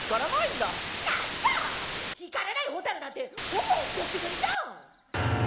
なんだ光らないホタルなんてほぼゴキブリじゃん！